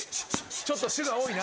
ちょっとしゅが多いな。